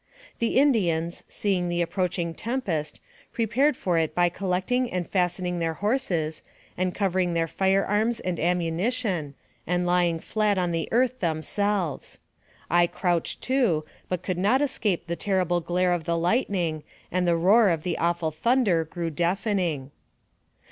The Indians, seeing the approaching tempest, pre pared for it by collecting and fastening their horses, and covering their fire arms and amunition, and lying AMONG THE SIOUX INDIANS. 73 flat on the earth themselves. I crouched, too, but could not escape the terrible glare of the lightning, and the roar of the awful thunder grew deafening.